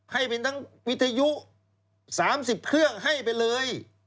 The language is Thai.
ให้เป็นทั้งวิทยุ๓๐เครื่องให้ไปเลย